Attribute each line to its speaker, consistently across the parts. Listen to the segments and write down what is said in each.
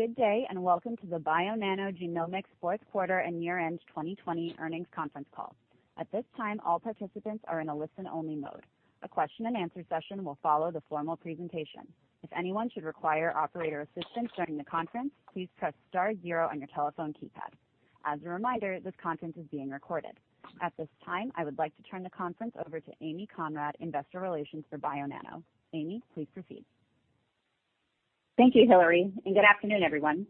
Speaker 1: Good day, and welcome to the Bionano Genomics Q4 and year-end 2020 earnings conference call. At this time, all participants are in a listen-only mode. A question-and-answer session will follow the formal presentation. If anyone should require operator assistance during the conference, please press star zero on your telephone keypad. As a reminder, this conference is being recorded. At this time, I would like to turn the conference over to Amy Conrad, investor relations for Bionano. Amy, please proceed.
Speaker 2: Thank you, Hillary. Good afternoon, everyone.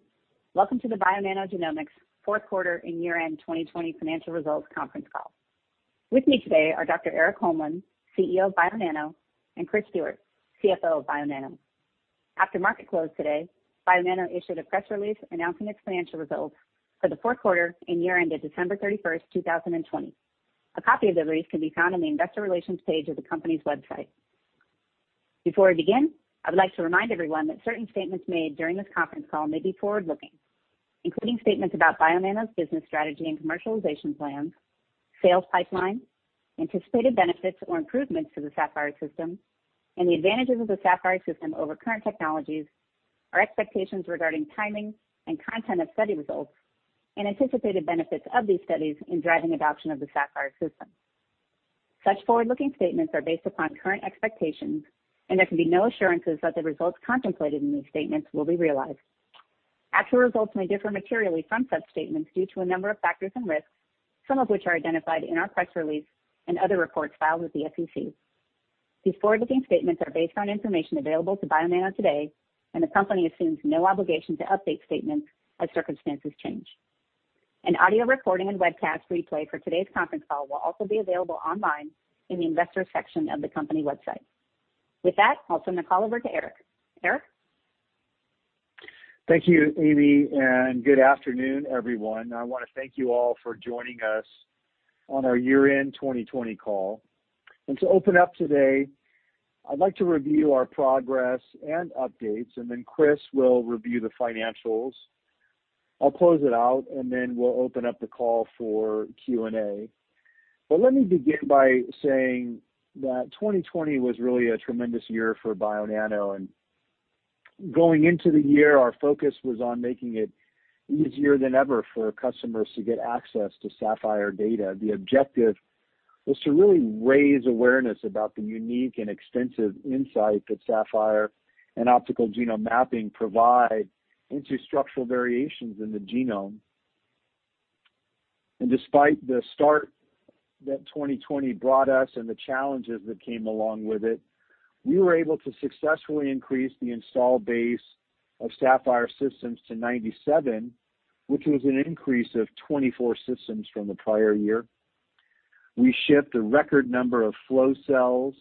Speaker 2: Welcome to the Bionano Genomics Q4 and year-end 2020 financial results conference call. With me today are Dr. Erik Holmlin, CEO of Bionano, and Chris Stewart, CFO of Bionano. After market close today, Bionano issued a press release announcing its financial results for Q4 and year-end of December 31st, 2020. A copy of the release can be found on the investor relations page of the company's website. Before we begin, I would like to remind everyone that certain statements made during this conference call may be forward-looking, including statements about Bionano's business strategy and commercialization plans, sales pipeline, anticipated benefits or improvements to the Saphyr system, and the advantages of the Saphyr system over current technologies, our expectations regarding timing and content of study results, and anticipated benefits of these studies in driving adoption of the Saphyr system. Such forward-looking statements are based upon current expectations, and there can be no assurances that the results contemplated in these statements will be realized. Actual results may differ materially from such statements due to a number of factors and risks, some of which are identified in our press release and other reports filed with the SEC. These forward-looking statements are based on information available to Bionano today, and the company assumes no obligation to update statements as circumstances change. An audio recording and webcast replay for today's conference call will also be available online in the investors section of the company website. With that, I'll turn the call over to Erik. Erik?
Speaker 3: Thank you, Amy, good afternoon, everyone. I want to thank you all for joining us on our year-end 2020 call. To open up today, I'd like to review our progress and updates, then Chris will review the financials. I'll close it out, and then we'll open up the call for Q&A. Let me begin by saying that 2020 was really a tremendous year for Bionano. Going into the year, our focus was on making it easier than ever for our customers to get access to Saphyr data. The objective was to really raise awareness about the unique and extensive insight that Saphyr and optical genome mapping provide into structural variations in the genome. Despite the start that 2020 brought us and the challenges that came along with it, we were able to successfully increase the install base of Saphyr systems to 97, which was an increase of 24 systems from the prior year. We shipped a record number of flow cells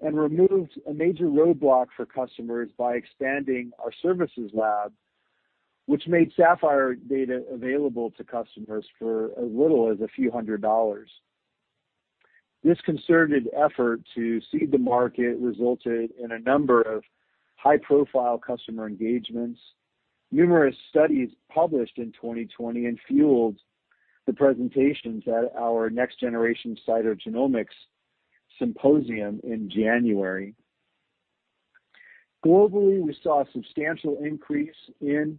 Speaker 3: and removed a major roadblock for customers by expanding our services lab, which made Saphyr data available to customers for as little as a few hundred dollars. This concerted effort to seed the market resulted in a number of high-profile customer engagements, numerous studies published in 2020, and fueled the presentations at our Next-Generation Cytogenomics Symposium in January. Globally, we saw a substantial increase in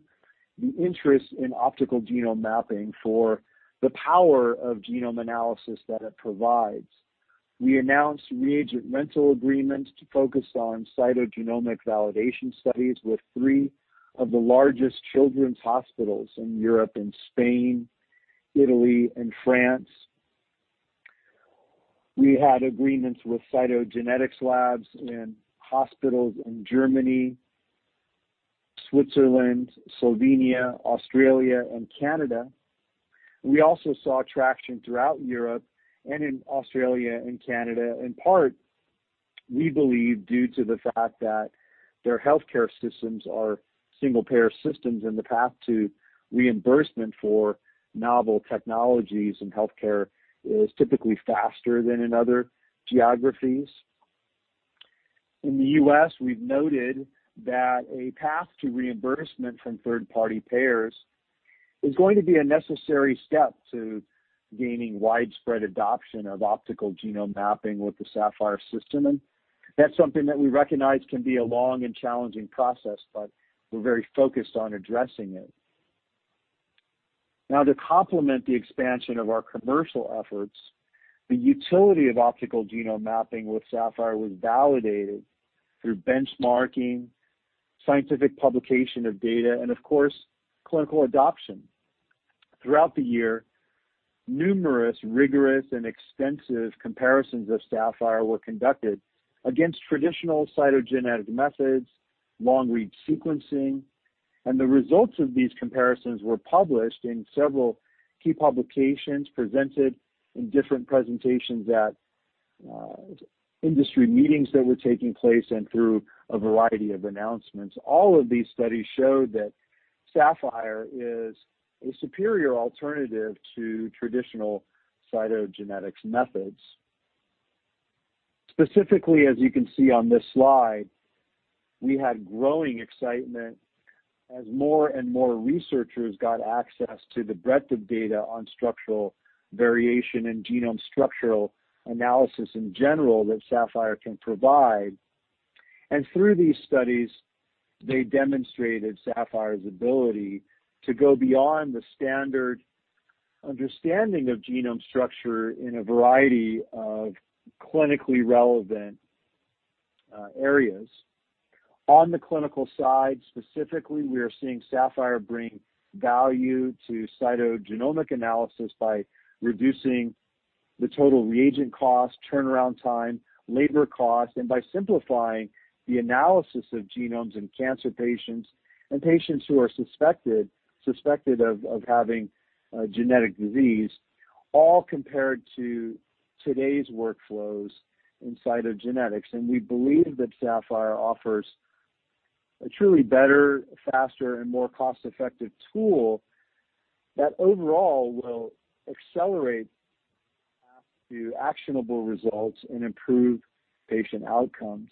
Speaker 3: the interest in optical genome mapping for the power of genome analysis that it provides. We announced reagent rental agreements to focus on cytogenomic validation studies with three of the largest children's hospitals in Europe and Spain, Italy, and France. We had agreements with cytogenetics labs in hospitals in Germany, Switzerland, Slovenia, Australia, and Canada. We also saw traction throughout Europe and in Australia and Canada, in part, we believe, due to the fact that their healthcare systems are single-payer systems, and the path to reimbursement for novel technologies in healthcare is typically faster than in other geographies. In the U.S., we've noted that a path to reimbursement from third-party payers is going to be a necessary step to gaining widespread adoption of optical genome mapping with the Saphyr system. That's something that we recognize can be a long and challenging process, but we're very focused on addressing it. Now, to complement the expansion of our commercial efforts, the utility of optical genome mapping with Saphyr was validated through benchmarking, scientific publication of data, and of course, clinical adoption. Throughout the year, numerous rigorous and extensive comparisons of Saphyr were conducted against traditional cytogenetic methods, long-read sequencing, and the results of these comparisons were published in several key publications, presented in different presentations at industry meetings that were taking place, and through a variety of announcements. All of these studies showed that Saphyr is a superior alternative to traditional cytogenetics methods. Specifically, as you can see on this slide, we had growing excitement as more and more researchers got access to the breadth of data on structural variation and genome structural analysis in general that Saphyr can provide. Through these studies, they demonstrated Saphyr's ability to go beyond the standard understanding of genome structure in a variety of clinically relevant areas. On the clinical side, specifically, we are seeing Saphyr bring value to cytogenomic analysis by reducing the total reagent cost, turnaround time, labor cost, and by simplifying the analysis of genomes in cancer patients and patients who are suspected of having a genetic disease, all compared to today's workflows in cytogenetics. We believe that Saphyr offers a truly better, faster, and more cost-effective tool that overall will accelerate the path to actionable results and improve patient outcomes.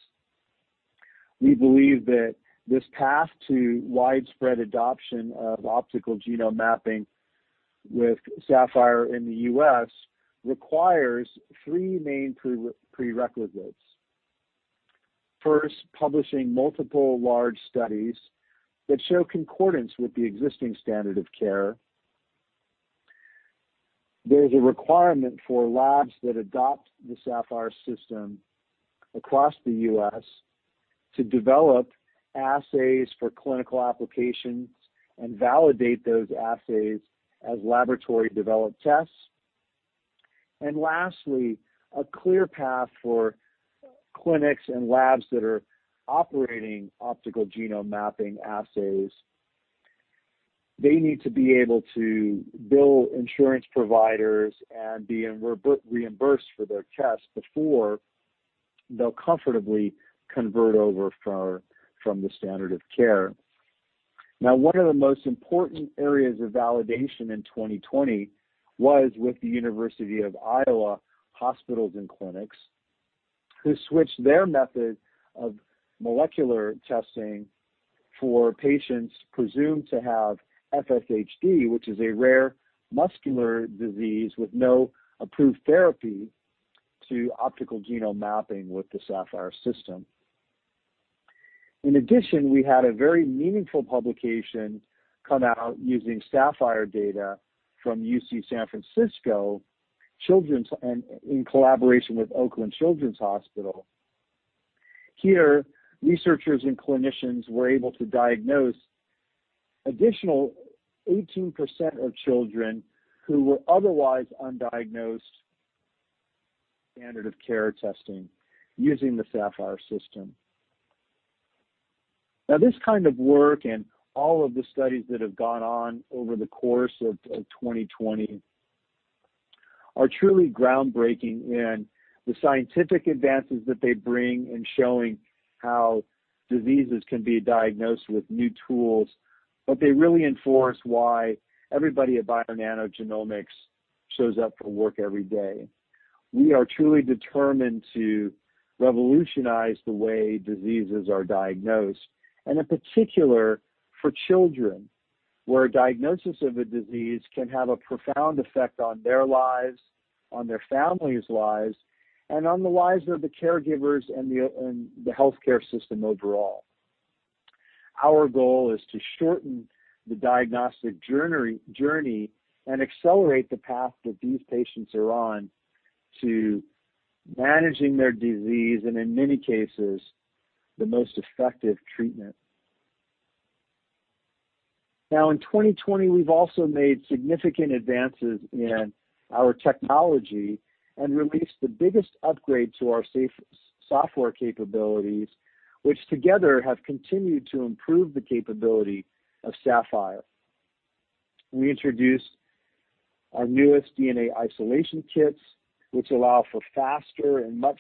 Speaker 3: We believe that this path to widespread adoption of optical genome mapping with Saphyr in the U.S. requires three main prerequisites. First, publishing multiple large studies that show concordance with the existing standard of care. There's a requirement for labs that adopt the Saphyr system across the U.S. to develop assays for clinical applications and validate those assays as laboratory-developed tests. Lastly, a clear path for clinics and labs that are operating optical genome mapping assays. They need to be able to bill insurance providers and be reimbursed for their tests before they'll comfortably convert over from the standard of care. One of the most important areas of validation in 2020 was with the University of Iowa Hospitals and Clinics, who switched their method of molecular testing for patients presumed to have FSHD, which is a rare muscular disease with no approved therapy, to optical genome mapping with the Saphyr system. We had a very meaningful publication come out using Saphyr data from UC San Francisco, in collaboration with Children's Hospital Oakland. Here, researchers and clinicians were able to diagnose additional 18% of children who were otherwise undiagnosed standard of care testing using the Saphyr system. This kind of work and all of the studies that have gone on over the course of 2020 are truly groundbreaking in the scientific advances that they bring in showing how diseases can be diagnosed with new tools, but they really enforce why everybody at Bionano Genomics shows up for work every day. We are truly determined to revolutionize the way diseases are diagnosed, and in particular, for children, where a diagnosis of a disease can have a profound effect on their lives, on their families' lives, and on the lives of the caregivers and the healthcare system overall. Our goal is to shorten the diagnostic journey and accelerate the path that these patients are on to managing their disease, and in many cases, the most effective treatment. In 2020, we've also made significant advances in our technology and released the biggest upgrade to our software capabilities, which together have continued to improve the capability of Saphyr. We introduced our newest DNA isolation kits, which allow for faster and much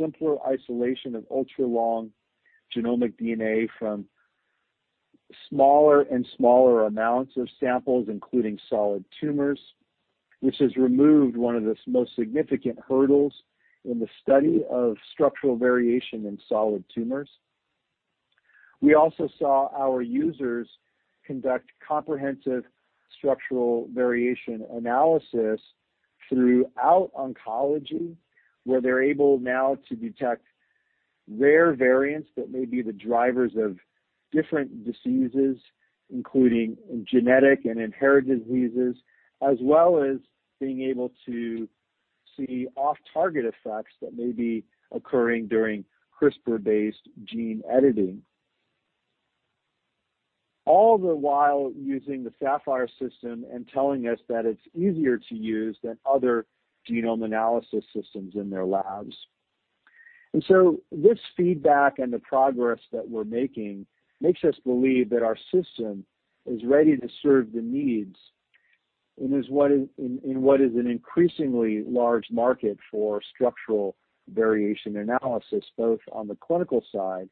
Speaker 3: simpler isolation of ultra-long genomic DNA from smaller and smaller amounts of samples, including solid tumors, which has removed one of the most significant hurdles in the study of structural variation in solid tumors. We also saw our users conduct comprehensive structural variation analysis throughout oncology, where they're able now to detect rare variants that may be the drivers of different diseases, including genetic and inherited diseases, as well as being able to see off-target effects that may be occurring during CRISPR-based gene editing, all the while using the Saphyr system and telling us that it's easier to use than other genome analysis systems in their labs. This feedback and the progress that we're making makes us believe that our system is ready to serve the needs in what is an increasingly large market for structural variation analysis, both on the clinical side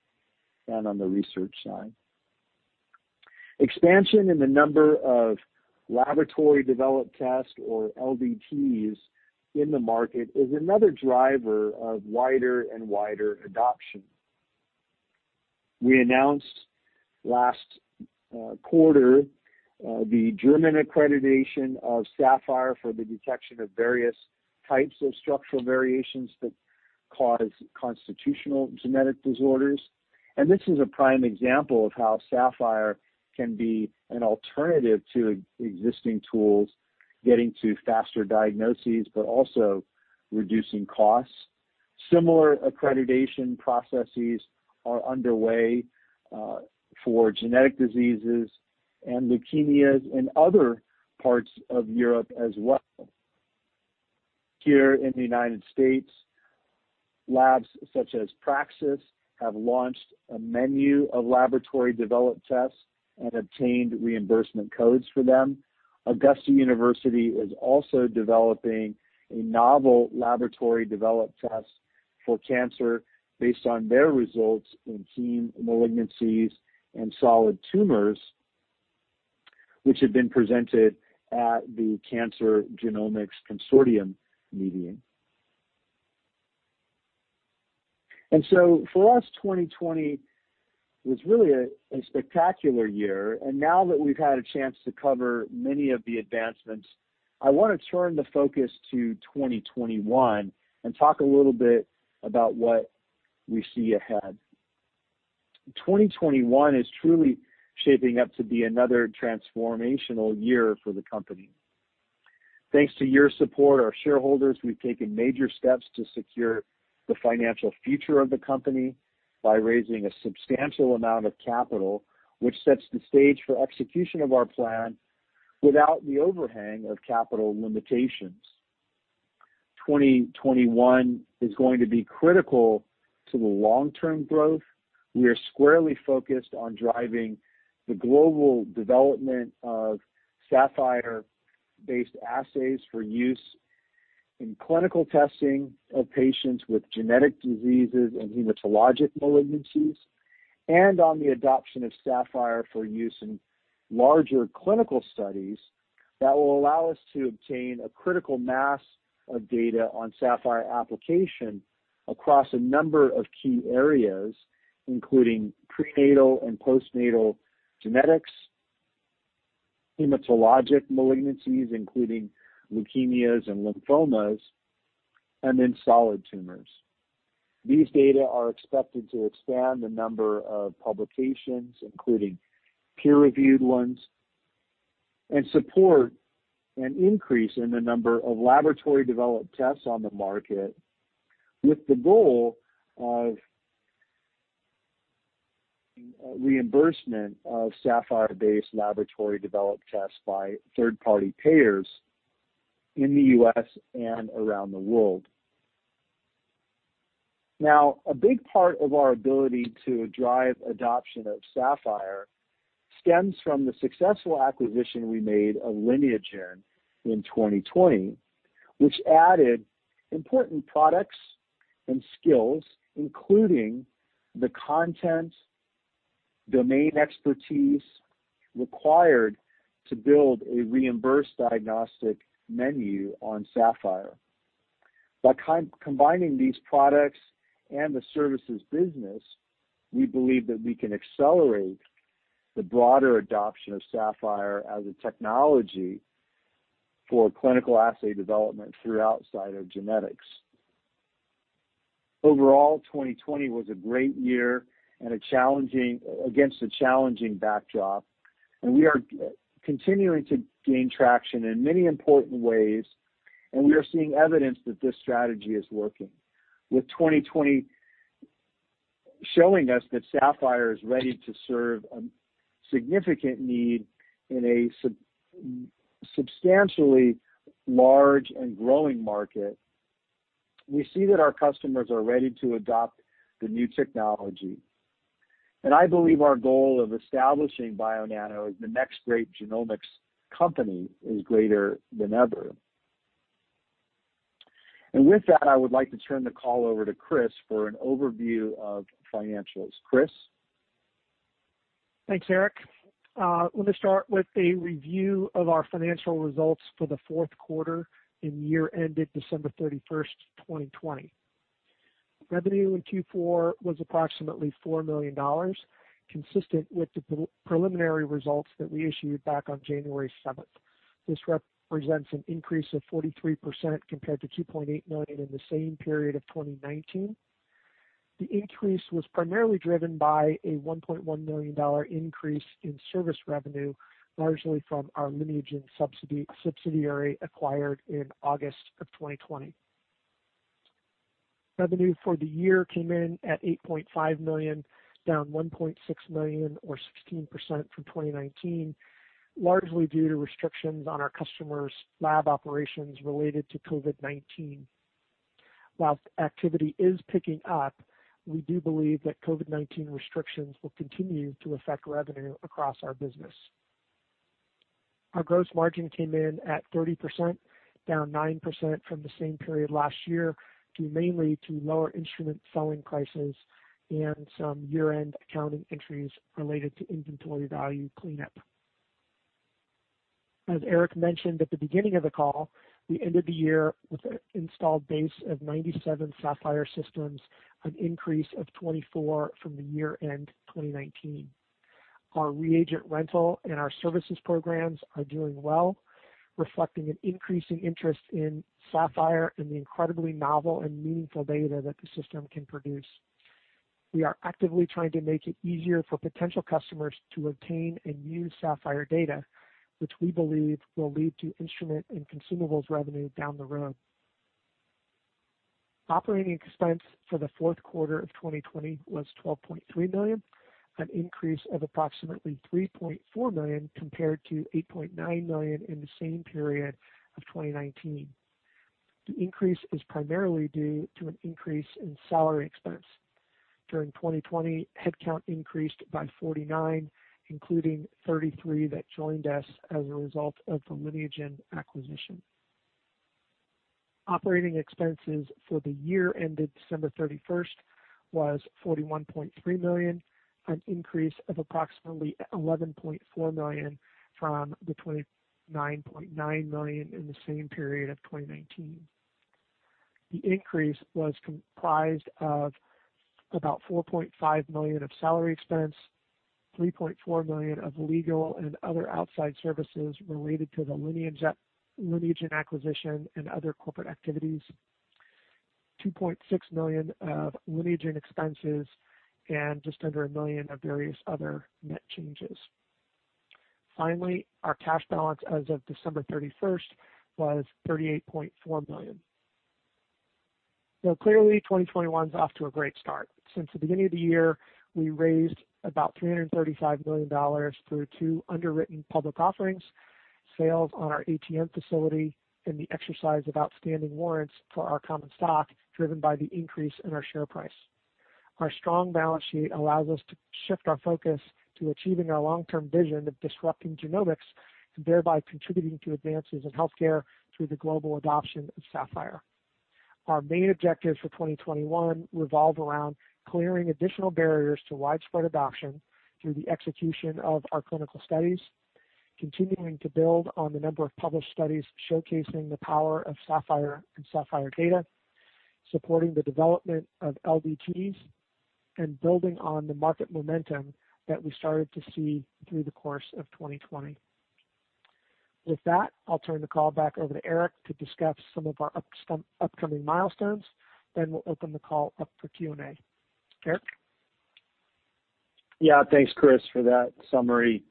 Speaker 3: and on the research side. Expansion in the number of laboratory-developed tests, or LDTs, in the market is another driver of wider and wider adoption. We announced last quarter, the German accreditation of Saphyr for the detection of various types of structural variations that cause constitutional genetic disorders. This is a prime example of how Saphyr can be an alternative to existing tools, getting to faster diagnoses, but also reducing costs. Similar accreditation processes are underway for genetic diseases and leukemias in other parts of Europe as well. Here in the United States, labs such as Praxis have launched a menu of laboratory-developed tests and obtained reimbursement codes for them. Augusta University is also developing a novel laboratory developed test for cancer based on their results in heme malignancies and solid tumors, which have been presented at the Cancer Genomics Consortium meeting. For us, 2020 was really a spectacular year. Now that we've had a chance to cover many of the advancements, I want to turn the focus to 2021 and talk a little bit about what we see ahead. 2021 is truly shaping up to be another transformational year for the company. Thanks to your support, our shareholders, we've taken major steps to secure the financial future of the company by raising a substantial amount of capital, which sets the stage for execution of our plan without the overhang of capital limitations. 2021 is going to be critical to the long-term growth. We are squarely focused on driving the global development of Saphyr-based assays for use in clinical testing of patients with genetic diseases and hematologic malignancies, and on the adoption of Saphyr for use in larger clinical studies that will allow us to obtain a critical mass of data on Saphyr application across a number of key areas, including prenatal and postnatal genetics, hematologic malignancies, including leukemias and lymphomas, and in solid tumors. These data are expected to expand the number of publications, including peer-reviewed ones, and support an increase in the number of laboratory developed tests on the market with the goal of reimbursement of Saphyr-based laboratory developed tests by third-party payers in the U.S. and around the world. Now, a big part of our ability to drive adoption of Saphyr stems from the successful acquisition we made of Lineagen in 2020, which added important products and skills, including the content, domain expertise required to build a reimbursed diagnostic menu on Saphyr. By combining these products and the services business, we believe that we can accelerate the broader adoption of Saphyr as a technology for clinical assay development throughout cytogenomics. Overall, 2020 was a great year against a challenging backdrop, and we are continuing to gain traction in many important ways, and we are seeing evidence that this strategy is working. With 2020 showing us that Saphyr is ready to serve a significant need in a substantially large and growing market, we see that our customers are ready to adopt the new technology. I believe our goal of establishing Bionano as the next great genomics company is greater than ever. With that, I would like to turn the call over to Chris for an overview of financials. Chris?
Speaker 4: Thanks, Erik. Let me start with a review of our financial results for Q4 and year ended December 31st, 2020. Revenue in Q4 was approximately $4 million, consistent with the preliminary results that we issued back on January seventh. This represents an increase of 43% compared to $2.8 million in the same period of 2019. The increase was primarily driven by a $1.1 million increase in service revenue, largely from our Lineagen subsidiary acquired in August of 2020. Revenue for the year came in at $8.5 million, down $1.6 million or 16% from 2019, largely due to restrictions on our customers' lab operations related to COVID-19. While activity is picking up, we do believe that COVID-19 restrictions will continue to affect revenue across our business. Our gross margin came in at 30%, down 9% from the same period last year, due mainly to lower instrument selling prices and some year-end accounting entries related to inventory value cleanup. As Erik mentioned at the beginning of the call, we ended the year with an installed base of 97 Saphyr systems, an increase of 24 from the year-end 2019. Our reagent rental and our services programs are doing well, reflecting an increasing interest in Saphyr and the incredibly novel and meaningful data that the system can produce. We are actively trying to make it easier for potential customers to obtain and use Saphyr data, which we believe will lead to instrument and consumables revenue down the road. Operating expense for Q4 of 2020 was $12.3 million, an increase of approximately $3.4 million compared to $8.9 million in the same period of 2019. The increase is primarily due to an increase in salary expense. During 2020, headcount increased by 49, including 33 that joined us as a result of the Lineagen acquisition. Operating expenses for the year ended December 31st was $41.3 million, an increase of approximately $11.4 million from the $29.9 million in the same period of 2019. The increase was comprised of about $4.5 million of salary expense, $3.4 million of legal and other outside services related to the Lineagen acquisition and other corporate activities, $2.6 million of Lineagen expenses, and just under $1 million of various other net changes. Finally, our cash balance as of December 31st was $38.4 million. Clearly, 2021 is off to a great start. Since the beginning of the year, we raised about $335 million through two underwritten public offerings, sales on our ATM facility, and the exercise of outstanding warrants for our common stock, driven by the increase in our share price. Our strong balance sheet allows us to shift our focus to achieving our long-term vision of disrupting genomics and thereby contributing to advances in healthcare through the global adoption of Saphyr. Our main objectives for 2021 revolve around clearing additional barriers to widespread adoption through the execution of our clinical studies, continuing to build on the number of published studies showcasing the power of Saphyr and Saphyr data, supporting the development of LDTs, and building on the market momentum that we started to see through the course of 2020. With that, I'll turn the call back over to Erik to discuss some of our upcoming milestones. We'll open the call up for Q&A. Erik?
Speaker 3: Yes. Thanks, Chris, for that summary.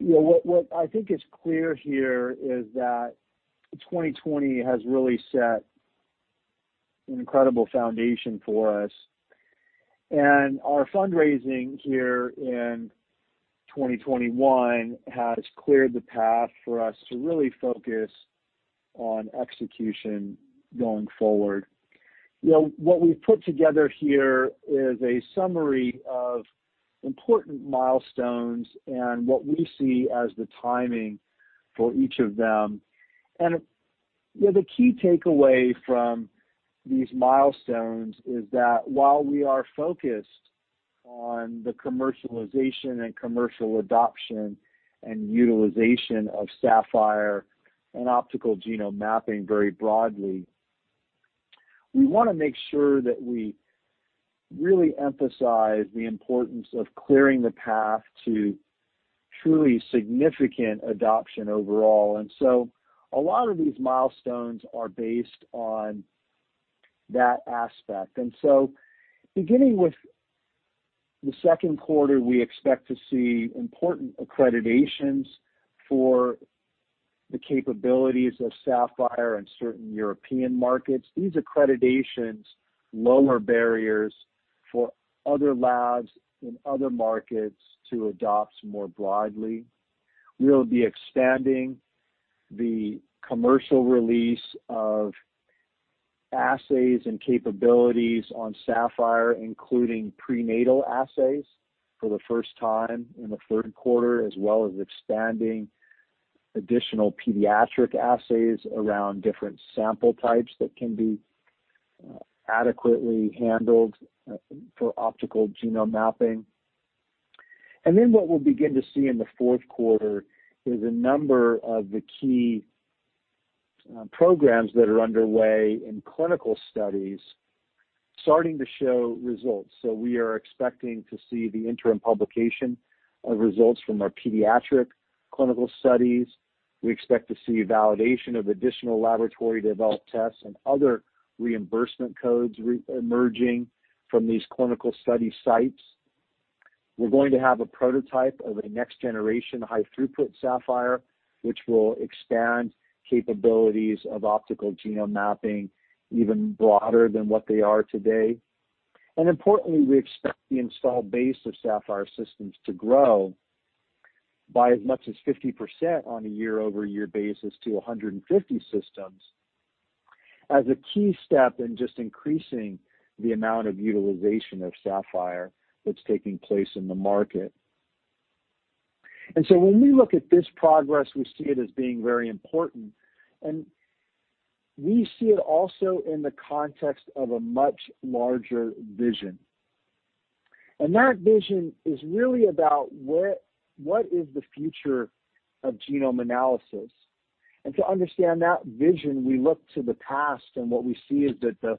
Speaker 3: What I think is clear here is that 2020 has really set an incredible foundation for us, and our fundraising here in 2021 has cleared the path for us to really focus on execution going forward. What we've put together here is a summary of important milestones and what we see as the timing for each of them. The key takeaway from these milestones is that while we are focused on the commercialization and commercial adoption and utilization of Saphyr and optical genome mapping very broadly, we want to make sure that we really emphasize the importance of clearing the path to truly significant adoption overall, a lot of these milestones are based on that aspect. Beginning with Q2, we expect to see important accreditations for the capabilities of Saphyr in certain European markets. These accreditations lower barriers for other labs in other markets to adopt more broadly. We'll be expanding the commercial release of assays and capabilities on Saphyr, including prenatal assays for the first time in Q3, as well as expanding additional pediatric assays around different sample types that can be adequately handled for optical genome mapping. What we'll begin to see in Q4 is a number of the key programs that are underway in clinical studies starting to show results. We are expecting to see the interim publication of results from our pediatric clinical studies. We expect to see validation of additional laboratory-developed tests and other reimbursement codes re-emerging from these clinical study sites. We're going to have a prototype of a next-generation high-throughput Saphyr, which will expand capabilities of optical genome mapping even broader than what they are today. Importantly, we expect the installed base of Saphyr systems to grow by as much as 50% on a year-over-year basis to 150 systems as a key step in just increasing the amount of utilization of Saphyr that's taking place in the market. When we look at this progress, we see it as being very important and we see it also in the context of a much larger vision. That vision is really about what is the future of genome analysis. To understand that vision, we look to the past, and what we see is that the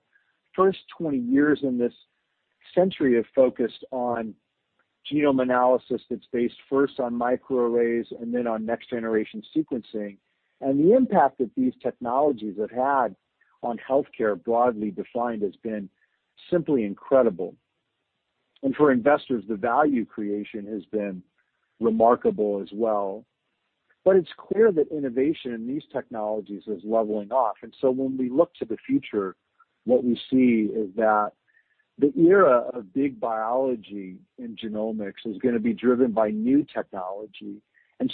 Speaker 3: first 20 years in this century have focused on genome analysis that's based first on microarrays and then on next-generation sequencing. The impact that these technologies have had on healthcare, broadly defined, has been simply incredible. For investors, the value creation has been remarkable as well. It's clear that innovation in these technologies is leveling off. When we look to the future, what we see is that the era of big biology in genomics is going to be driven by new technology.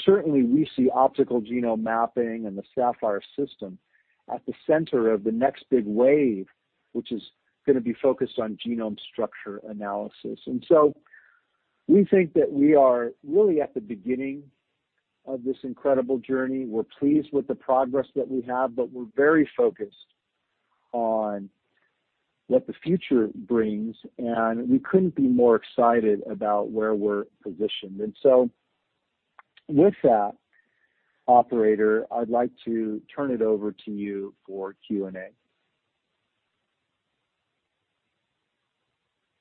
Speaker 3: Certainly, we see optical genome mapping and the Saphyr system at the center of the next big wave, which is going to be focused on genome structure analysis. We think that we are really at the beginning of this incredible journey. We're pleased with the progress that we have, but we're very focused on what the future brings, and we couldn't be more excited about where we're positioned. With that, operator, I'd like to turn it over to you for Q&A.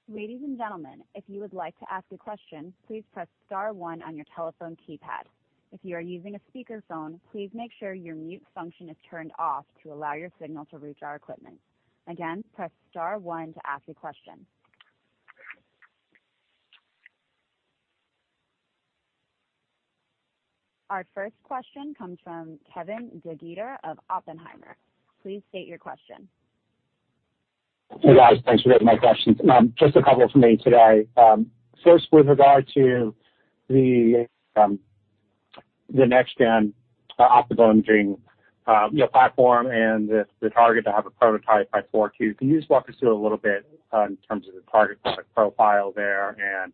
Speaker 1: Ladies and gentlemen, if you would like to ask a question, please press star one on your telephone keypad. If you are using a speakerphone, please make sure your mute function is turned off to allow your signal to reach our equipment. Again, press star one to ask a question. Our first question comes from Kevin DeGeeter of Oppenheimer. Please state your question.
Speaker 5: Hey, guys. Thanks for taking my questions. Just a couple from me today. First, with regard to the next-gen optical genomics platform and the target to have a prototype by Q4, can you just walk us through a little bit in terms of the target product profile there and,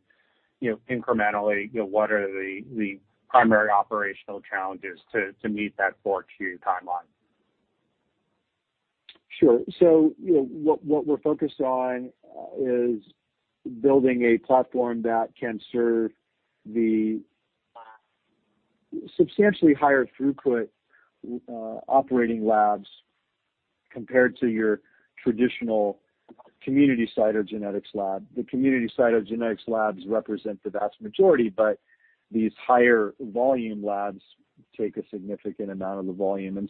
Speaker 5: incrementally, what are the primary operational challenges to meet that Q4 timeline?
Speaker 3: Sure. What we're focused on is building a platform that can serve the substantially higher throughput operating labs compared to your traditional community cytogenetics lab. The community cytogenetics labs represent the vast majority, but these higher volume labs take a significant amount of the volume.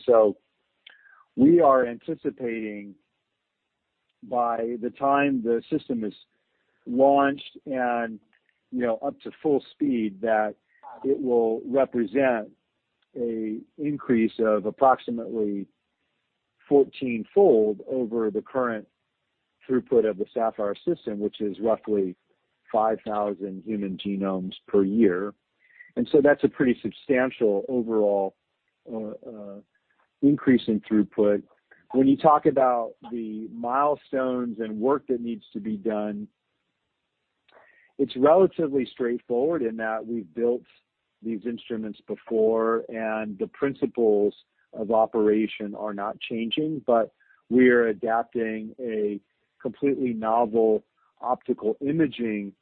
Speaker 3: We are anticipating by the time the system is launched and up to full speed, that it will represent an increase of approximately 14-fold over the current throughput of the Saphyr system, which is roughly 5,000 human genomes per year. That's a pretty substantial overall increase in throughput. When you talk about the milestones and work that needs to be done, it's relatively straightforward in that we've built these instruments before, and the principles of operation are not changing, but we're adapting a completely novel optical imaging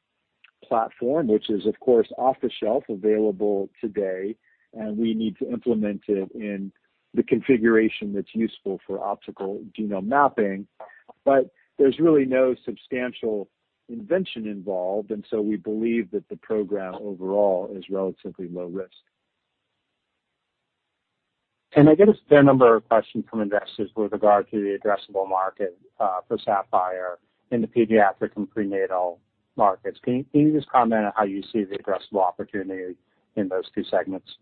Speaker 3: platform, which is, of course, off-the-shelf available today, and we need to implement it in the configuration that's useful for optical genome mapping. There's really no substantial invention involved, and so we believe that the program overall is relatively low risk.
Speaker 5: I get a fair number of questions from investors with regard to the addressable market for Saphyr in the pediatric and prenatal markets. Can you just comment on how you see the addressable opportunity in those two segments?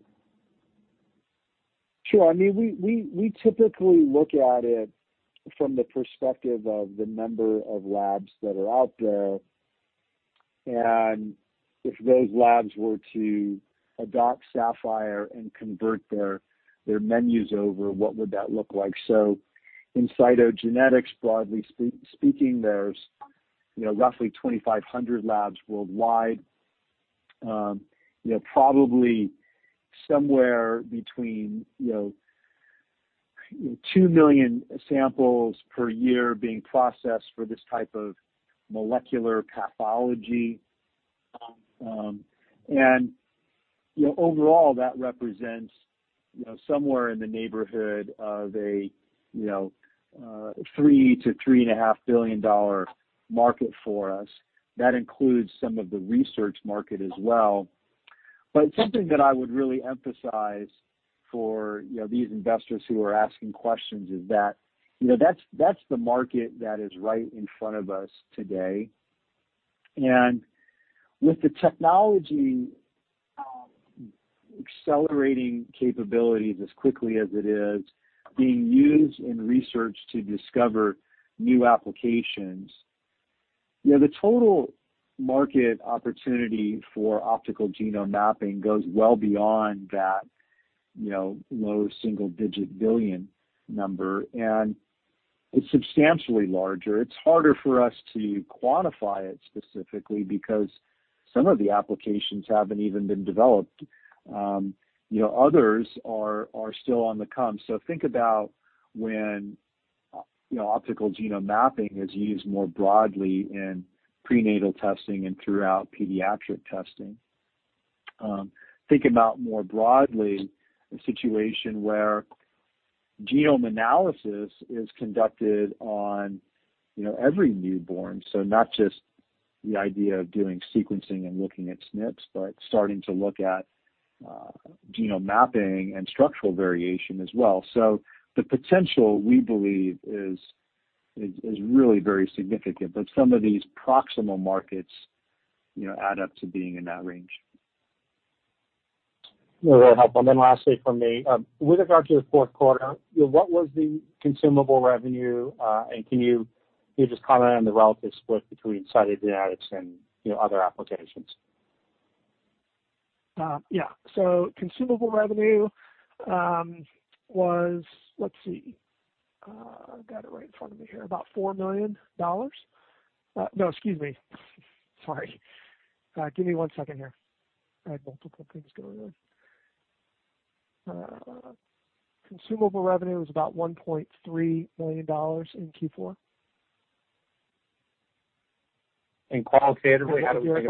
Speaker 3: Sure. We typically look at it from the perspective of the number of labs that are out there, and if those labs were to adopt Saphyr and convert their menus over, what would that look like? In cytogenetics, broadly speaking, there's roughly 2,500 labs worldwide, probably somewhere between 2 million samples per year being processed for this type of molecular pathology. Overall, that represents somewhere in the neighborhood of a $3 billion-$3.5 billion market for us. That includes some of the research market as well. Something that I would really emphasize for these investors who are asking questions is that that's the market that is right in front of us today. With the technology accelerating capabilities as quickly as it is being used in research to discover new applications, the total market opportunity for optical genome mapping goes well beyond that low single-digit billion number. It's substantially larger. It's harder for us to quantify it specifically because some of the applications haven't even been developed. Others are still on the come. Think about when optical genome mapping is used more broadly in prenatal testing and throughout pediatric testing. Think about more broadly a situation where genome analysis is conducted on every newborn, so not just the idea of doing sequencing and looking at SNPs, but starting to look at genome mapping and structural variation as well. The potential, we believe, is really very significant, but some of these proximal markets add up to being in that range.
Speaker 5: Very helpful. Lastly from me, with regard to your Q4, what was the consumable revenue? Can you just comment on the relative split between cytogenomics and other applications?
Speaker 3: Yes. Consumable revenue was, let's see, I've got it right in front of me here, about $4 million. No, excuse me. Sorry. Give me one second here. I have multiple things going on. Consumable revenue was about $1.3 million in Q4.
Speaker 5: Qualitatively, how do we think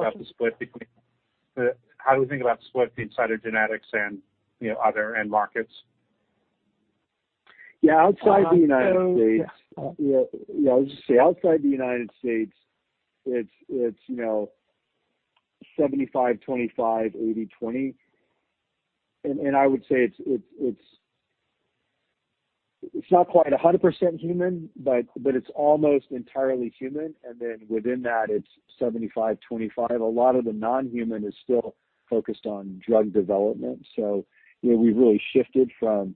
Speaker 5: about the split between cytogenetics and other end markets?
Speaker 3: Yes. Outside the United States, I'll just say outside the United States, it's 75/25, 80/20. I would say it's not quite 100% human, but it's almost entirely human. Then within that, it's 75/25. A lot of the non-human is still focused on drug development. We've really shifted from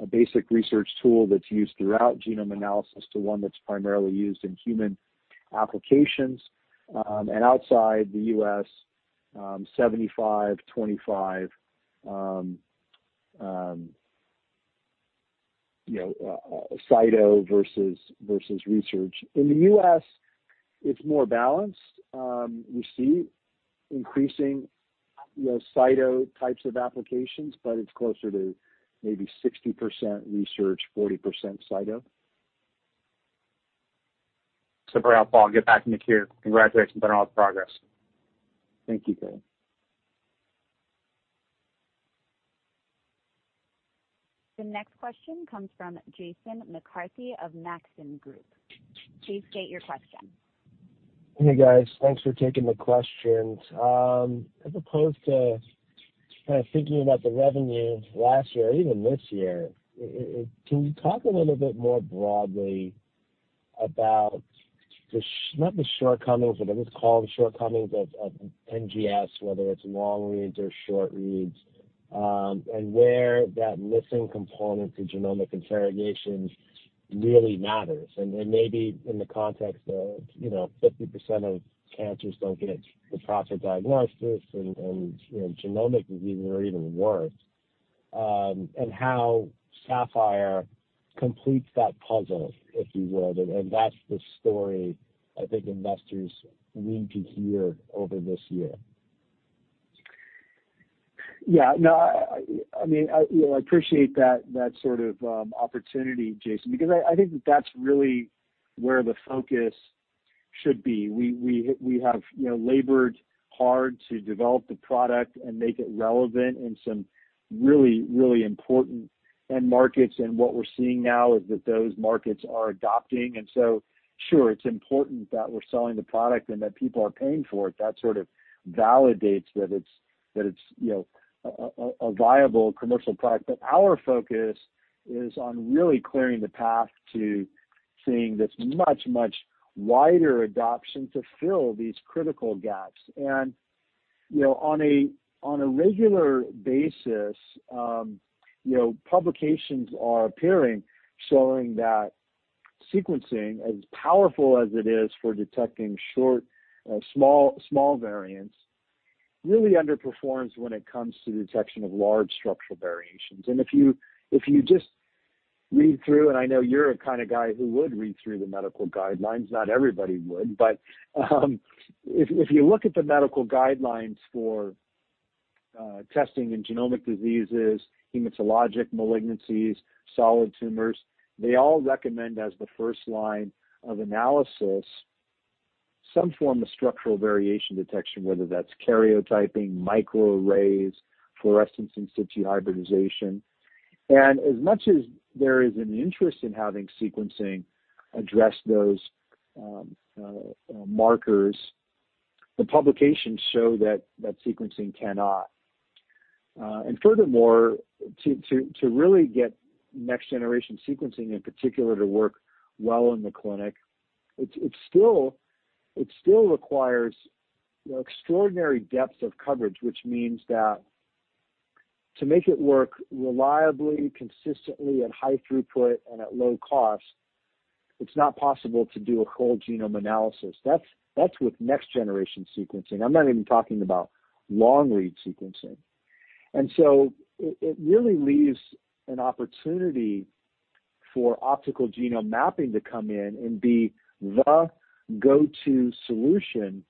Speaker 3: a basic research tool that's used throughout genome analysis to one that's primarily used in human applications. Outside the U.S., 75/25 cyto versus research. In the U.S., it's more balanced. We see increasing cyto types of applications, but it's closer to maybe 60% research, 40% cyto.
Speaker 5: Super helpful. I'll get back in the queue. Congratulations on all the progress.
Speaker 3: Thank you, DeGeeter.
Speaker 1: The next question comes from Jason McCarthy of Maxim Group. Please state your question.
Speaker 6: Hey, guys. Thanks for taking the questions. As opposed to thinking about the revenue last year or even this year, can you talk a little bit more broadly about, not the shortcomings, but let's call them shortcomings of NGS, whether it's long reads or short reads, and where that missing component to genomic interrogation really matters? Then maybe in the context of 50% of cancers don't get the proper diagnosis, and genomic diseases are even worse, and how Saphyr completes that puzzle, if you would, and that's the story I think investors need to hear over this year.
Speaker 3: Yes. I appreciate that sort of opportunity, Jason, because I think that that's really where the focus should be. We have labored hard to develop the product and make it relevant in some really important end markets, and what we're seeing now is that those markets are adopting. Sure, it's important that we're selling the product and that people are paying for it. That sort of validates that it's a viable commercial product. Our focus is on really clearing the path to seeing this much wider adoption to fill these critical gaps. On a regular basis, publications are appearing showing that sequencing, as powerful as it is for detecting small variants, really underperforms when it comes to detection of large structural variations. If you just read through, I know you're a kind of guy who would read through the medical guidelines, not everybody would, if you look at the medical guidelines for testing in genomic diseases, hematologic malignancies, solid tumors, they all recommend as the first line of analysis some form of structural variation detection, whether that's karyotyping, microarrays, fluorescence in situ hybridization. As much as there is an interest in having sequencing address those markers, the publications show that sequencing cannot. Furthermore, to really get next-generation sequencing in particular to work well in the clinic, it still requires extraordinary depth of coverage, which means that to make it work reliably, consistently at high throughput and at low cost, it's not possible to do a whole genome analysis. That's with next-generation sequencing. I'm not even talking about long-read sequencing. It really leaves an opportunity for optical genome mapping to come in and be the go-to solution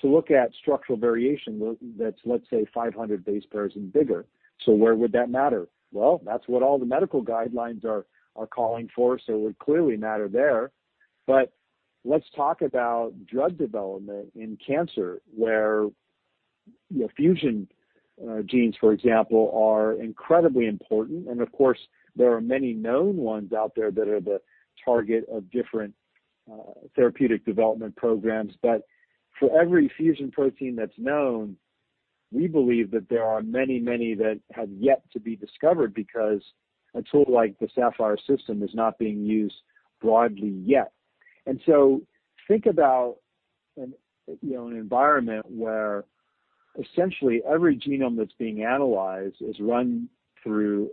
Speaker 3: to look at structural variation that's, let's say, 500 base pairs and bigger. Where would that matter? Well, that's what all the medical guidelines are calling for, so it would clearly matter there. Let's talk about drug development in cancer, where fusion genes, for example, are incredibly important. Of course, there are many known ones out there that are the target of different therapeutic development programs. For every fusion protein that's known, we believe that there are many that have yet to be discovered, because a tool like the Saphyr system is not being used broadly yet. Think about an environment where essentially every genome that's being analyzed is run through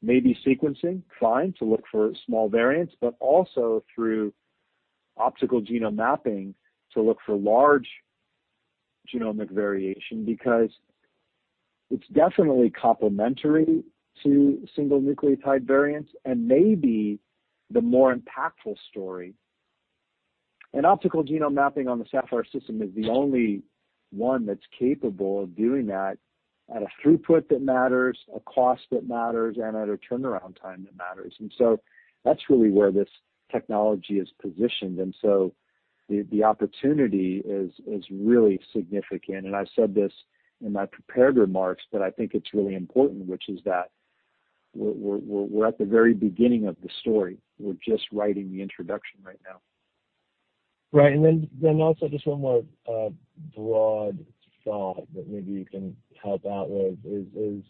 Speaker 3: maybe sequencing, fine, to look for small variants, but also through optical genome mapping to look for large genomic variation, because it's definitely complementary to single nucleotide variants and may be the more impactful story. Optical genome mapping on the Saphyr system is the only one that's capable of doing that at a throughput that matters, a cost that matters, and at a turnaround time that matters. That's really where this technology is positioned, so the opportunity is really significant. I said this in my prepared remarks, but I think it's really important, which is that we're at the very beginning of the story. We're just writing the introduction right now.
Speaker 6: Right. Also just one more broad thought that maybe you can help out with is,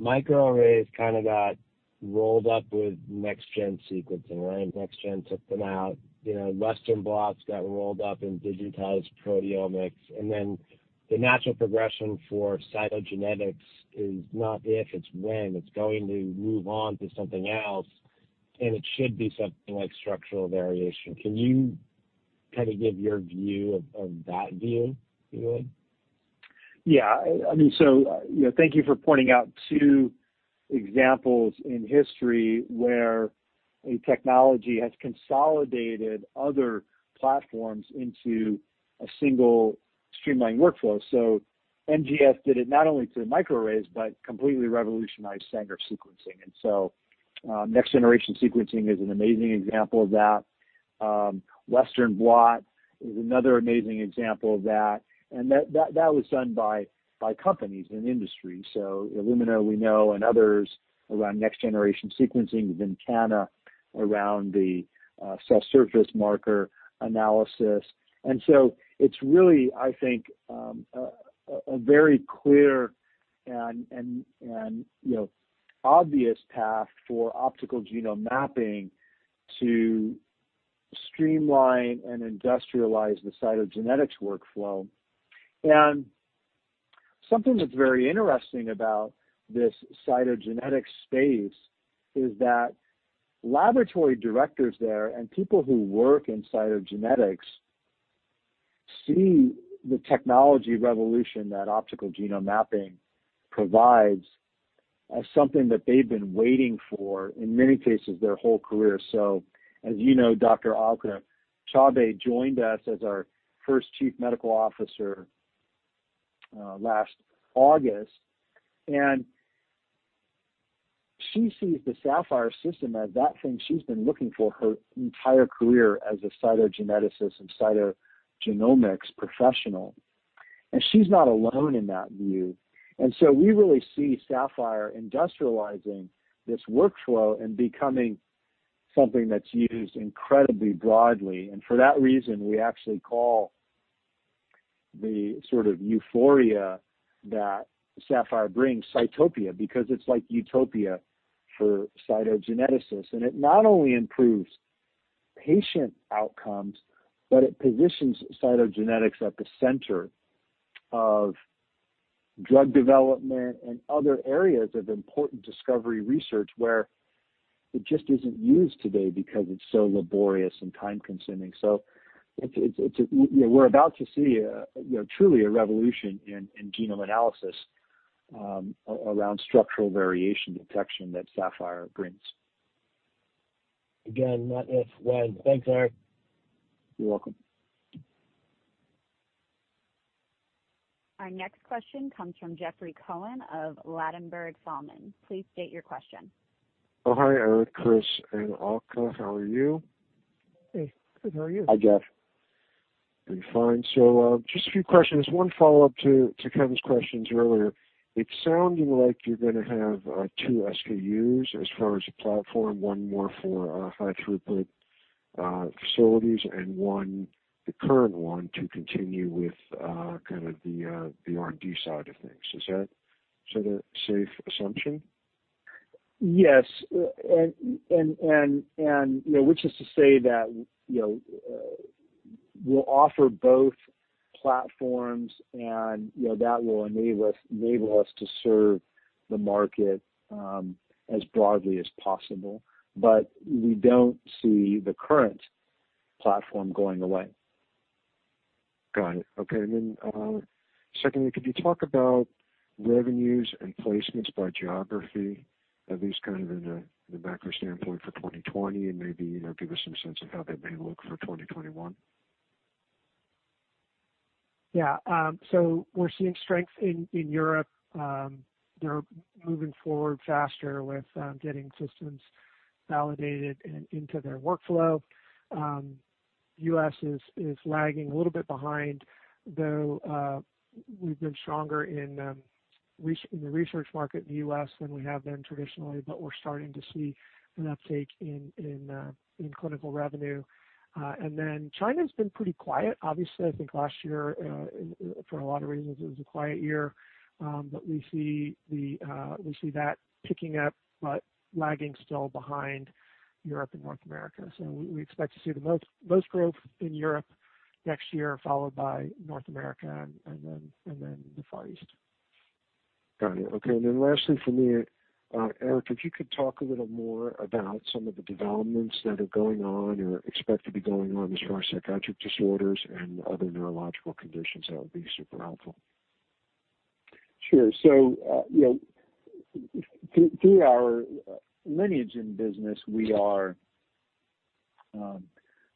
Speaker 6: microarrays kind of got rolled up with next-gen sequencing, right? Next gen took them out. Western blots got rolled up in digitized proteomics, and then the natural progression for cytogenetics is not if, it's when it's going to move on to something else, and it should be something like structural variation. Can you kind of give your view of that view, Erik?
Speaker 3: Yes. Thank you for pointing out two examples in history where a technology has consolidated other platforms into a single streamlined workflow. NGS did it not only to microarrays, but completely revolutionized Sanger sequencing. Next generation sequencing is an amazing example of that. Western blot is another amazing example of that, and that was done by companies and industry. Illumina, we know, and others around next generation sequencing, Ventana around the cell surface marker analysis. It's really, I think, a very clear and obvious path for optical genome mapping to streamline and industrialize the cytogenetics workflow. Something that's very interesting about this cytogenetics space is that laboratory directors there and people who work in cytogenetics see the technology revolution that optical genome mapping provides as something that they've been waiting for, in many cases, their whole career. As you know Dr. Alka Chaubey joined us as our first Chief Medical Officer last August, and she sees the Saphyr system as that thing she's been looking for her entire career as a cytogeneticist and cytogenomics professional. She's not alone in that view. We really see Saphyr industrializing this workflow and becoming something that's used incredibly broadly. For that reason, we actually call the sort of euphoria that Saphyr brings, Cytopia, because it's like utopia for cytogeneticists. It not only improves patient outcomes, but it positions cytogenetics at the center of drug development and other areas of important discovery research where it just isn't used today because it's so laborious and time-consuming. We're about to see truly a revolution in genome analysis around structural variation detection that Saphyr brings.
Speaker 6: Again, not if, when. Thanks, Erik.
Speaker 3: You're welcome.
Speaker 1: Our next question comes from Jeffrey Cohen of Ladenburg Thalmann. Please state your question.
Speaker 7: Hi, Erik, Chris, and Alka. How are you?
Speaker 3: Hey. Good, how are you?
Speaker 4: Hi, Jeff.
Speaker 7: Doing fine. Just a few questions. One follow-up to Kevin's questions earlier. It's sounding like you're going to have two SKUs as far as the platform, one more for high throughput facilities and one, the current one, to continue with kind of the R&D side of things. Is that a safe assumption?
Speaker 3: Yes. Which is to say that we'll offer both platforms, and that will enable us to serve the market as broadly as possible. We don't see the current platform going away.
Speaker 7: Got it. Okay, secondly, could you talk about revenues and placements by geography, at least in the macro standpoint for 2020, and maybe give us some sense of how they may look for 2021?
Speaker 4: We're seeing strength in Europe. They're moving forward faster with getting systems validated into their workflow. U.S. is lagging a little bit behind, though we've been stronger in the research market in the U.S. than we have been traditionally, we're starting to see an uptake in clinical revenue. China's been pretty quiet. Obviously, I think last year, for a lot of reasons, it was a quiet year. We see that picking up, but lagging still behind Europe and North America. We expect to see the most growth in Europe next year, followed by North America and then the Far East.
Speaker 7: Got it. Okay, lastly from me, Erik, if you could talk a little more about some of the developments that are going on or expect to be going on as far as psychiatric disorders and other neurological conditions, that would be super helpful.
Speaker 3: Sure. Through our Lineagen business, we are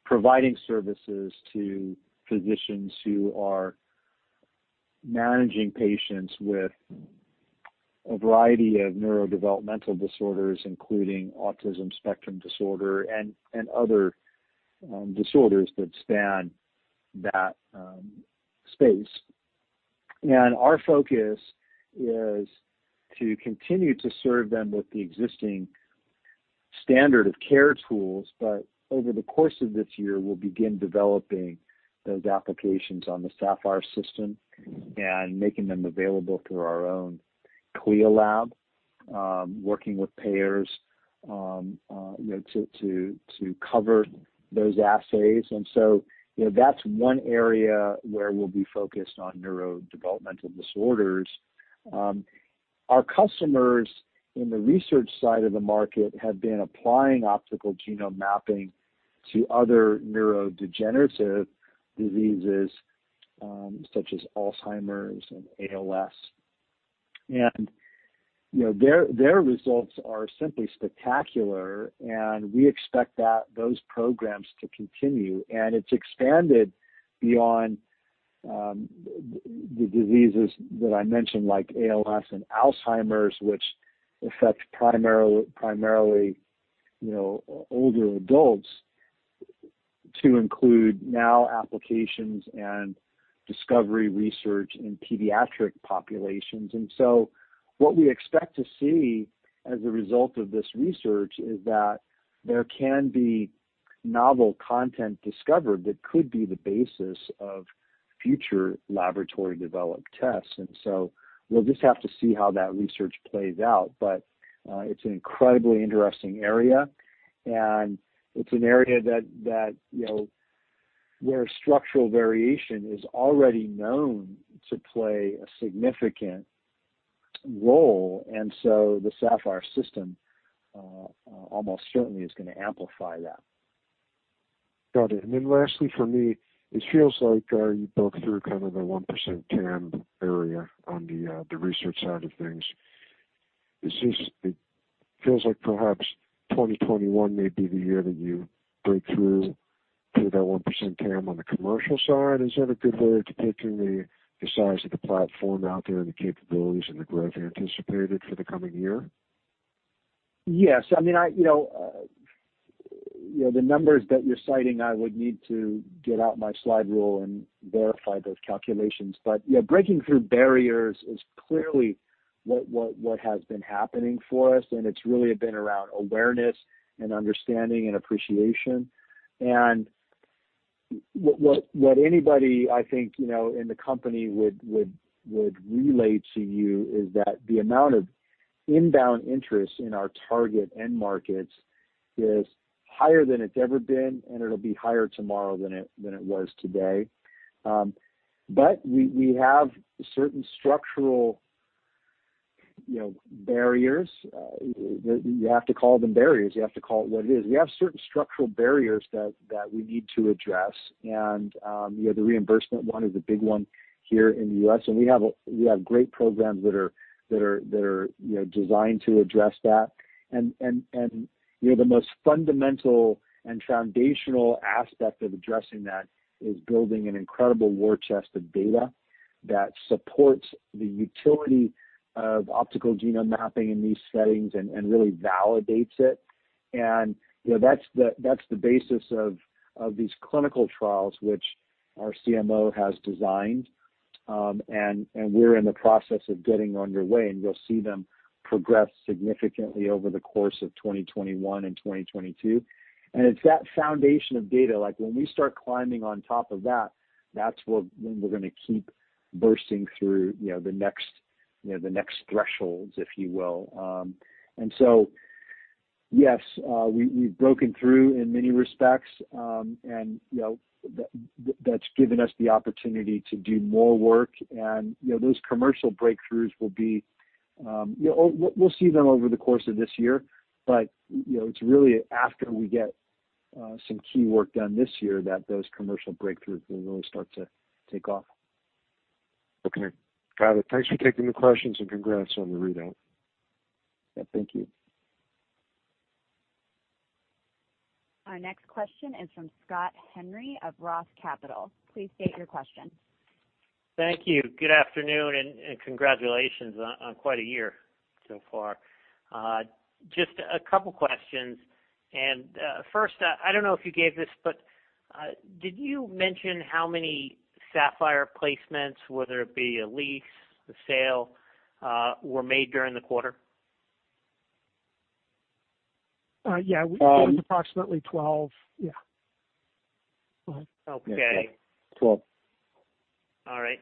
Speaker 3: providing services to physicians who are managing patients with a variety of neurodevelopmental disorders, including autism spectrum disorder and other disorders that span that space. Our focus is to continue to serve them with the existing standard of care tools. Over the course of this year, we'll begin developing those applications on the Saphyr system and making them available through our own CLIA lab, working with payers to cover those assays. That's one area where we'll be focused on neurodevelopmental disorders. Our customers in the research side of the market have been applying optical genome mapping to other neurodegenerative diseases, such as Alzheimer's and ALS. Their results are simply spectacular, and we expect those programs to continue. It's expanded beyond the diseases that I mentioned, like ALS and Alzheimer's, which affects primarily older adults, to include now applications and discovery research in pediatric populations. What we expect to see as a result of this research is that there can be novel content discovered that could be the basis of future laboratory-developed tests. We'll just have to see how that research plays out. It's an incredibly interesting area, and it's an area where structural variation is already known to play a significant role, and so the Saphyr system almost certainly is going to amplify that.
Speaker 7: Got it. Lastly, for me, it feels like you broke through the 1% TAM area on the research side of things. It feels like perhaps 2021 may be the year that you break through to that 1% TAM on the commercial side. Is that a good way of depicting the size of the platform out there, the capabilities, and the growth anticipated for the coming year?
Speaker 3: Yes. The numbers that you're citing, I would need to get out my slide rule and verify those calculations. Breaking through barriers is clearly what has been happening for us, and it's really been around awareness and understanding and appreciation. What anybody, I think, in the company would relate to you is that the amount of inbound interest in our target end markets is higher than it's ever been, and it'll be higher tomorrow than it was today. We have certain structural barriers. You have to call them barriers. You have to call it what it is. We have certain structural barriers that we need to address, and the reimbursement one is a big one here in the U.S., and we have great programs that are designed to address that. The most fundamental and foundational aspect of addressing that is building an incredible war chest of data that supports the utility of optical genome mapping in these settings and really validates it. That's the basis of these clinical trials, which our CMO has designed. We're in the process of getting underway, and you'll see them progress significantly over the course of 2021 and 2022. It's that foundation of data, when we start climbing on top of that's when we're going to keep bursting through the next thresholds, if you will. Yes, we've broken through in many respects, that's given us the opportunity to do more work, those commercial breakthroughs will be we'll see them over the course of this year, but it's really after we get some key work done this year that those commercial breakthroughs will really start to take off.
Speaker 7: Okay. Got it. Thanks for taking the questions and congrats on the readout.
Speaker 3: Yes. Thank you.
Speaker 1: Our next question is from Scott Henry of ROTH Capital. Please state your question.
Speaker 8: Thank you. Good afternoon and congratulations on quite a year so far. Just a couple questions. First, I don't know if you gave this, but did you mention how many Saphyr placements, whether it be a lease, a sale, were made during the quarter?
Speaker 4: Yes. It was approximately 12.
Speaker 8: Okay.
Speaker 3: 12.
Speaker 8: All right.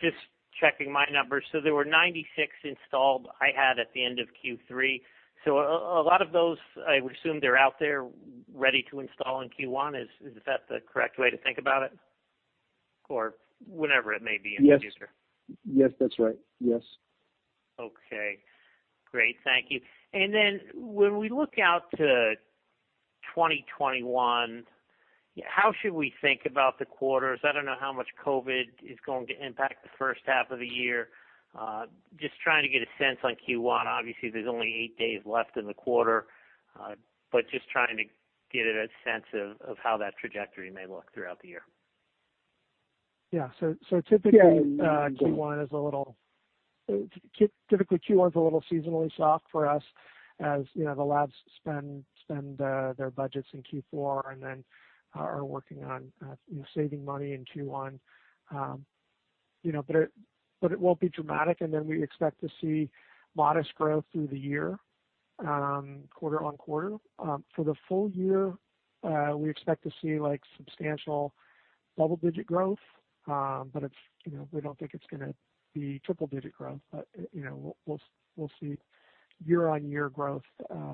Speaker 8: Just checking my numbers, there were 96 installed I had at the end of Q3. A lot of those, I would assume they're out there ready to install in Q1. Is that the correct way to think about it, or whenever it may be in the future?
Speaker 3: Yes, that's right.
Speaker 8: Okay, great. Thank you. When we look out to 2021, how should we think about the quarters? I don't know how much COVID is going to impact the first half of the year. Just trying to get a sense on Q1. Obviously, there's only eight days left in the quarter. Just trying to get a sense of how that trajectory may look throughout the year.
Speaker 4: Yes. Typically, Q1 is a little seasonally soft for us, as the labs spend their budgets in Q4 and then are working on saving money in Q1. It won't be dramatic, and then we expect to see modest growth through the year, quarter-on-quarter. For the full year, we expect to see substantial double-digit growth, but we don't think it's going to be triple-digit growth. We'll see year-on-year growth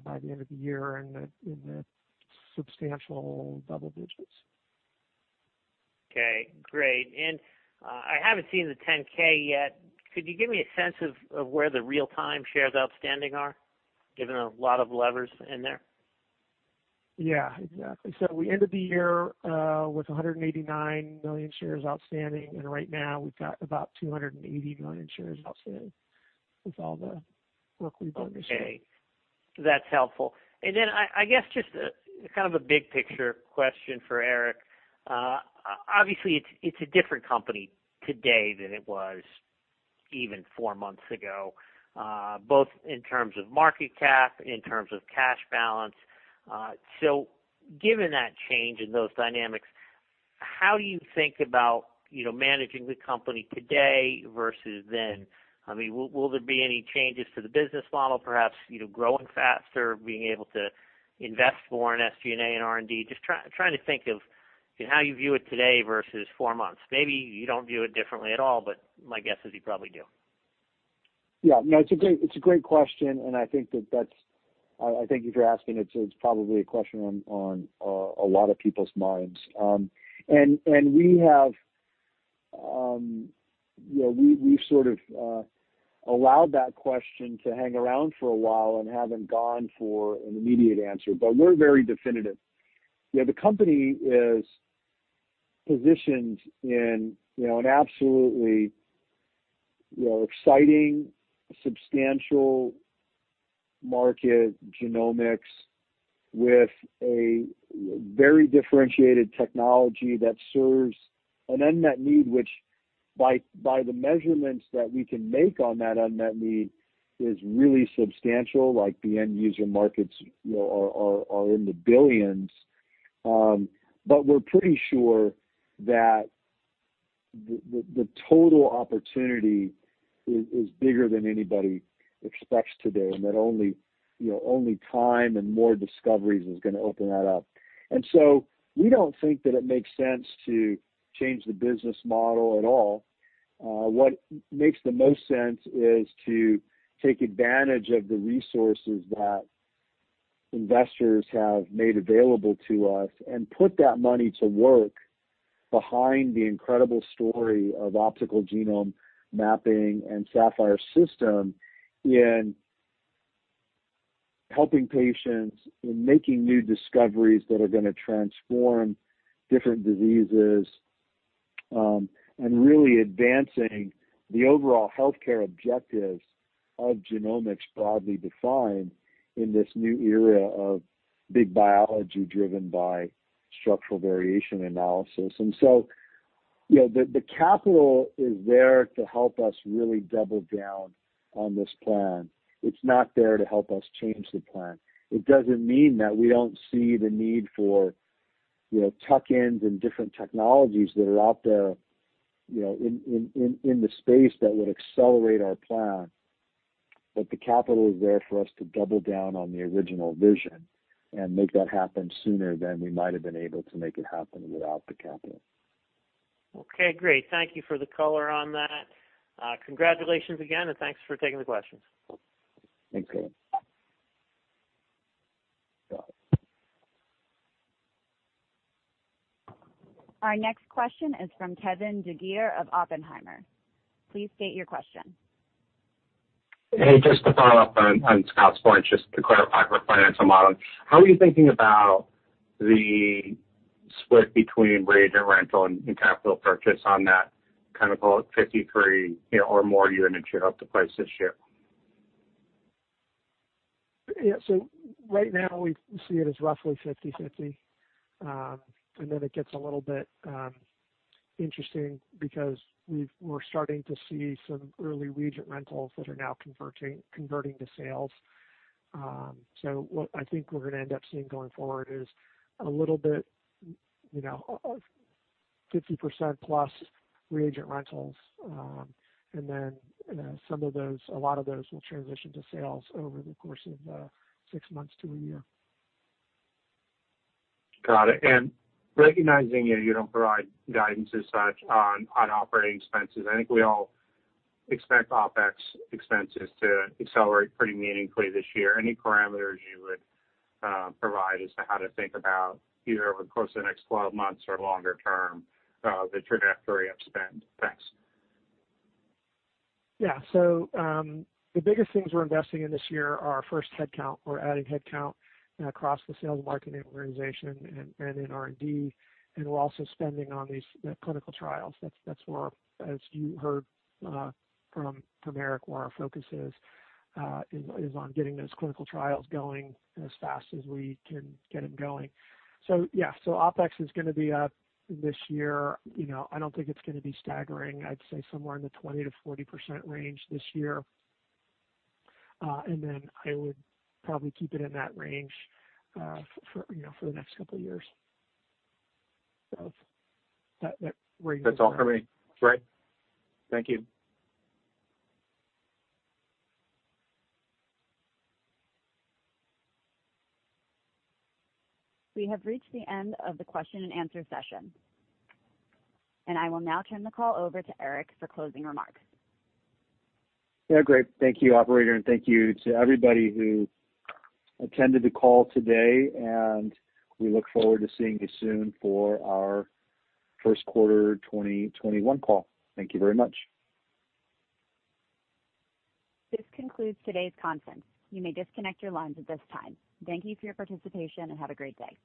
Speaker 4: by the end of the year in the substantial double digits.
Speaker 8: Okay, great. I haven't seen the 10-K yet. Could you give me a sense of where the real-time shares outstanding are, given a lot of levers in there?
Speaker 4: Yes, exactly. We ended the year with 189 million shares outstanding, and right now we've got about 280 million shares outstanding with all the work we've done this year.
Speaker 8: Okay. That's helpful. I guess just kind of a big picture question for Erik. Obviously, it's a different company today than it was even four months ago, both in terms of market cap, in terms of cash balance. Given that change and those dynamics, how do you think about managing the company today versus then? Will there be any changes to the business model, perhaps growing faster, being able to invest more in SG&A and R&D? Just trying to think of how you view it today versus four months. Maybe you don't view it differently at all, but my guess is you probably do.
Speaker 3: Yes, it's a great question and I thank you for asking. It's probably a question on a lot of people's minds. We've sort of allowed that question to hang around for a while and haven't gone for an immediate answer, but we're very definitive. The company is positioned in an absolutely exciting, substantial market, genomics, with a very differentiated technology that serves an unmet need, which by the measurements that we can make on that unmet need is really substantial, like the end user markets are in the billions. We're pretty sure that the total opportunity is bigger than anybody expects today, and that only time and more discoveries is going to open that up. We don't think that it makes sense to change the business model at all. What makes the most sense is to take advantage of the resources that investors have made available to us and put that money to work behind the incredible story of optical genome mapping and Saphyr's system in helping patients, in making new discoveries that are going to transform different diseases, and really advancing the overall healthcare objectives of genomics broadly defined in this new era of big biology driven by structural variation analysis. The capital is there to help us really double down on this plan. It's not there to help us change the plan. It doesn't mean that we don't see the need for tuck-ins and different technologies that are out there in the space that would accelerate our plan. The capital is there for us to double down on the original vision and make that happen sooner than we might have been able to make it happen without the capital.
Speaker 8: Okay, great. Thank you for the color on that. Congratulations again, and thanks for taking the questions.
Speaker 3: Thanks, Scott.
Speaker 1: Our next question is from Kevin DeGeeter of Oppenheimer. Please state your question.
Speaker 5: Hey, just to follow-up on Scott's point, just to clarify for financial modeling, how are you thinking about the split between reagent rental and capital purchase on that, call it 53 or more unit ship, up to price this ship?
Speaker 4: Yes. Right now we see it as roughly 50/50. It gets a little bit interesting because we're starting to see some early reagent rentals that are now converting to sales. What I think we're going to end up seeing going forward is a little bit of 50%-plus reagent rentals, and then a lot of those will transition to sales over the course of six months to a year.
Speaker 5: Got it. Recognizing you don't provide guidance as such on operating expenses, I think we all expect OpEx expenses to accelerate pretty meaningfully this year. Any parameters you would provide as to how to think about either over the course of the next 12 months or longer term, the trajectory of spend? Thanks.
Speaker 4: The biggest things we're investing in this year are, first, headcount. We're adding headcount across the sales and marketing organization and in R&D, and we're also spending on these clinical trials. That's, as you heard from Erik, where our focus is on getting those clinical trials going as fast as we can get them going. OpEx is going to be up this year. I don't think it's going to be staggering. I'd say somewhere in the 20%-40% range this year. I would probably keep it in that range for the next couple of years.
Speaker 5: That's all for me. Great. Thank you.
Speaker 1: We have reached the end of the question and answer session. I will now turn the call over to Erik for closing remarks.
Speaker 3: Yes, great. Thank you, operator, and thank you to everybody who attended the call today, and we look forward to seeing you soon for our Q1 2021 call. Thank you very much.
Speaker 1: This concludes today's conference. You may disconnect your lines at this time. Thank you for your participation, and have a great day.